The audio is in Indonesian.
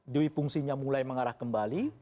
dui fungsinya mulai mengarah kembali